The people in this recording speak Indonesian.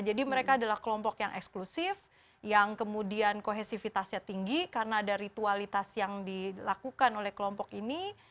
jadi mereka adalah kelompok yang eksklusif yang kemudian kohesifitasnya tinggi karena ada ritualitas yang dilakukan oleh kelompok ini